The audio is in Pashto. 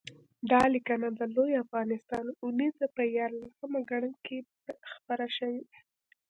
دا لیکنه د لوی افغانستان اوونیزې په یارلسمه ګڼه کې خپره شوې ده